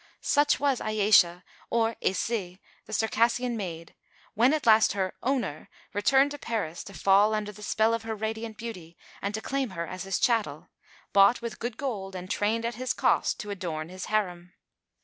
Such was Ayesha, or Aissé, the Circassian maid, when at last her "owner" returned to Paris to fall under the spell of her radiant beauty and to claim her as his chattel, bought with good gold and trained at his cost to adorn his harem.